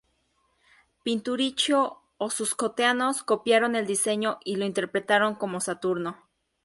Pinturicchio, o sus coetáneos, copiaron el diseño y lo interpretaron como Saturno.